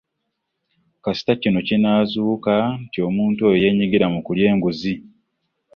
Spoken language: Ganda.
Kasita kino kinaazuuka nti omuntu Oyo yeenyigira mu kulya enguzi.